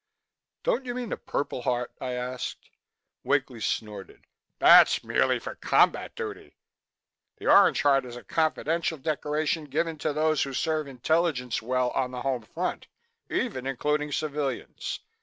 "Don't you mean the Purple Heart?" I asked. Wakely snorted. "That's merely for combat duty. The Orange Heart is a confidential decoration given to those who serve intelligence well on the home front, even including civilians.